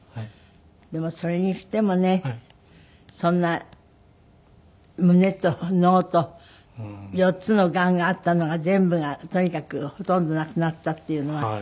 でもそれにしてもねそんな胸と脳と４つのがんがあったのが全部がとにかくほとんどなくなったっていうのは。